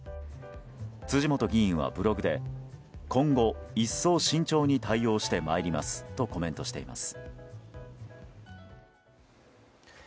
辻元議員はブログで今後、一層慎重に対応してまいりますとコメントしています。